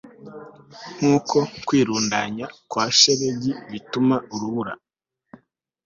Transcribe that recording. Nkuko kwirundanya kwa shelegi bituma urubura